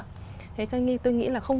thế cho nên tôi nghĩ là không